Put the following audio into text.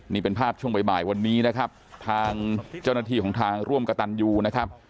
นี่เป็นภาพช่วงบ่ายวันนี้นะครับทางเจ้าหน้าที่ของทางร่วมกระตันยูนะครับ